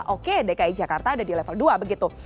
oke dki jakarta ada di level dua begitu